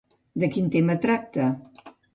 De quin tema tracta?